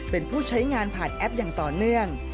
เป็นผู้ใช้งานผ่านแอปอย่างต่อเนื่อง